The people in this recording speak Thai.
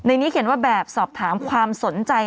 นี้เขียนว่าแบบสอบถามความสนใจ